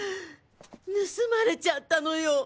盗まれちゃったのよぉ。